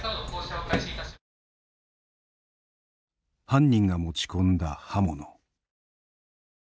犯人が持ち込んだ刃物。